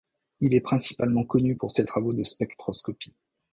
Il est principalement connu pour ses travaux de spectroscopie.